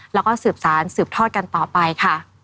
แล้วก็สืบสารสืบทอดกันต่อไปค่ะ